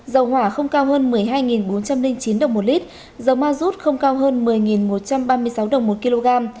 dầu hỏa không cao hơn một mươi hai bốn trăm linh chín đồng một lít dầu ma rút không cao hơn một mươi một trăm ba mươi sáu đồng một kg